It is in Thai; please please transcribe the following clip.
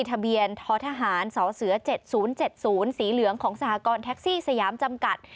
ทะเบียนททหารสเส๗๐๗๐สีเหลืองของสหกรณ์แท็กซี่สยามจำกัด